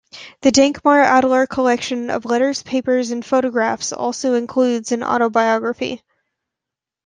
The Dankmar Adler Collection of letters, papers, and photographs also includes an autobiography.